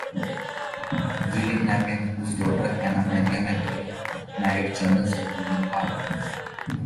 William Nepean, whose daughter Anna Maria Nepean married General Sir William Parke.